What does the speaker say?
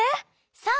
そう。